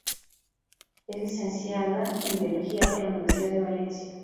Es Licenciada en Biología por la Universidad de Valencia.